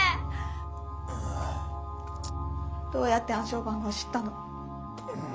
どうやって暗証番号を知ったの？